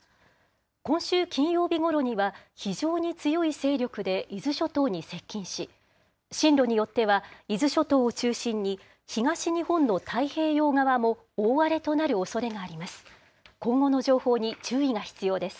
今週金曜日ごろには、非常に強い勢力で伊豆諸島に接近し、進路によっては、伊豆諸島を中心に東日本の太平洋側も大荒れとなるおそれがあります。